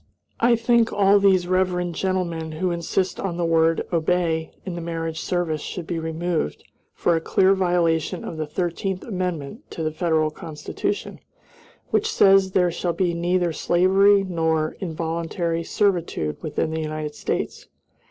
I think all these reverend gentlemen who insist on the word "obey" in the marriage service should be removed for a clear violation of the Thirteenth Amendment to the Federal Constitution, which says there shall be neither slavery nor involuntary servitude within the United States.